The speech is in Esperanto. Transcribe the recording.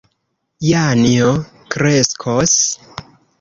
Janjo kreskos.